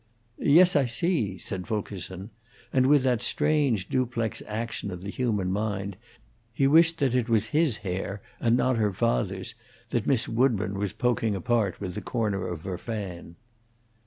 "Yes, I see," said Fulkerson; and, with that strange duplex action of the human mind, he wished that it was his hair, and not her father's, that Miss Woodburn was poking apart with the corner of her fan.